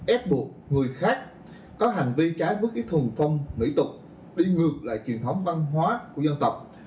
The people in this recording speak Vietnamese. êp buộc người khác có hành vi trái vứt cái thùng phong mỹ tục đi ngược lại truyền thống văn hóa của dân tộc